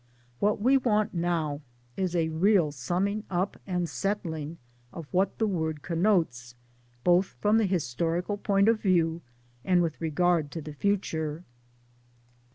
What we want now is a real summing up and settling of what the wopd connotes both from the historical point of veiw, and with regard to the future.